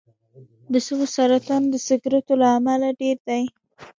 د سږو سرطان د سګرټو له امله ډېر دی.